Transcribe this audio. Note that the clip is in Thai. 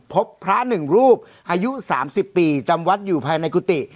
พบพระหนึ่งรูปอายุ๓๐ปีจำวัดอยู่ภายในกุฏิ